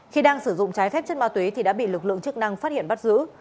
khi đang sử dụng trái phép chất ma túy thì đã bị lực lượng chức năng phát hiện bắt giữ